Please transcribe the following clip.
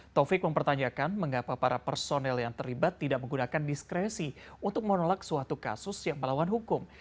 taufik mempertanyakan mengapa para personel yang terlibat tidak menggunakan diskresi untuk menolak suatu kasus yang melawan hukum